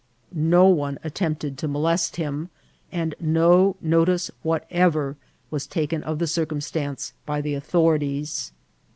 No one attempted to molest him, and no notice whatever was taken of the circumstance by the authorities.